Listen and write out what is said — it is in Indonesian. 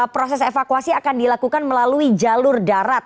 proses evakuasi akan dilakukan melalui jalur darat